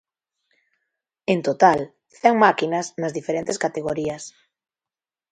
En total, cen máquinas nas diferentes categorías.